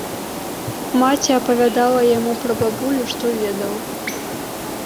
Маці апавядала яму пра бабулю, што ведала.